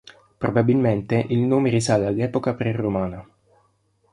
Probabilmente il nome risale all'epoca preromana.